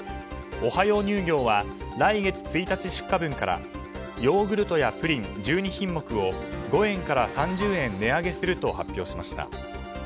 オハヨー乳業は来月１日出荷分からヨーグルトやプリン１２品目を５円から３０円値上げすると発表しました。